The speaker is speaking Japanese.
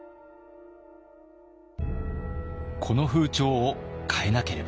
この風潮を変えなければ！